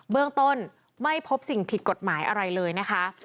เรื่องต้นไม่พบสิ่งผิดกฎหมายอะไรเลยนะคะ